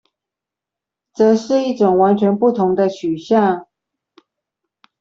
則是一種完全不同的取向